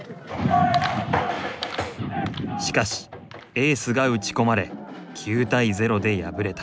しかしエースが打ち込まれ９対０で敗れた。